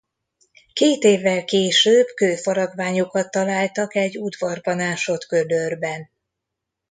Két évvel később kőfaragványokat találtak egy udvarban ásott gödörben.